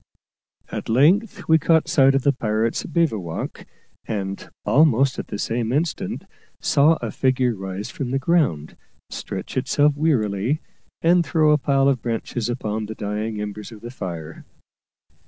At length we caught sight of the pirates' bivouac, and, almost at the same instant, saw a figure rise from the ground, stretch itself wearily, and throw a pile of branches upon the dying embers of the fire.